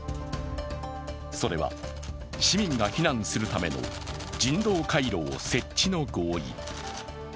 それは、市民が避難するための人道回廊設置の合意。